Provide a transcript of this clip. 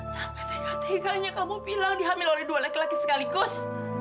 sampai teka teganya kamu bilang dihamil oleh dua laki laki sekaligus